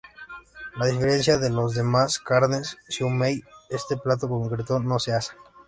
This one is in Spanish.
A diferencia de las demás carnes "siu mei", este plato concreto no se asa.